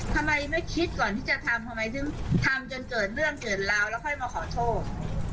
ทำไมไม่คิดก่อนที่จะทำทำไมถึงทำจนเกิดเรื่องเกิดราวแล้วค่อยมาขอโทษ